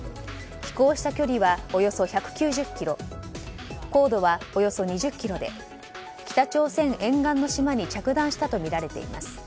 飛行した距離はおよそ１９０ｋｍ高度はおよそ２０ｋｍで北朝鮮沿岸の島に着弾したとみられています。